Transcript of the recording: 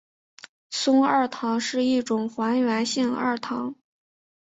松二糖是一种还原性二糖。